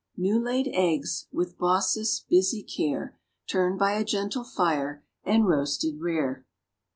New laid eggs, with Baucis' busy care Turned by a gentle fire, and roasted rare.